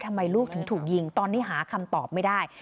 ทำไมลูกถึงถูกยิงตอนนี้หาคำตอบไม่ได้